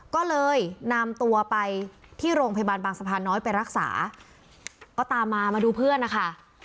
ก็เลยนำตัวไปที่โรงพยาบาลบางสะพานน้อยไปรักษาก็ตามมามาดูเพื่อนนะคะ